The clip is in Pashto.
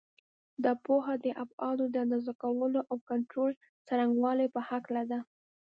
دا پوهه د ابعادو د اندازه کولو او کنټرول څرنګوالي په هکله ده.